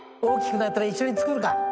大きくなったら一緒に作るか。